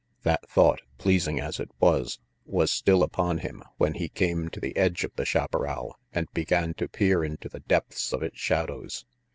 That thought, pleasing as it was, was still upon him, when he came to the edge of the chaparral and began to peer into the depths of its shadows.